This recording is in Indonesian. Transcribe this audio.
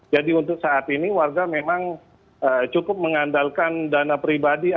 jadi untuk saat ini warga memang cukup mengandalkan dana pribadi